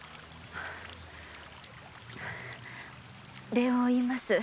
礼を言います。